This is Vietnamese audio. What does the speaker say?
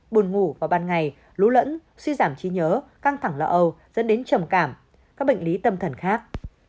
buồn ngủ vào ban ngày lũ lẫn suy giảm trí nhớ căng thẳng lỡ âu dẫn đến trầm cảm các bệnh lý tâm thần khác